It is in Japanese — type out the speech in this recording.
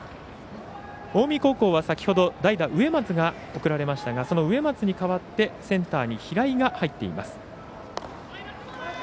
近江高校は先ほど代打、植松が送られましたがその植松に代わってセンターに平井が入っています。